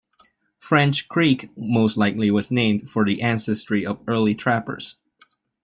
French Creek most likely was named for the ancestry of early trappers.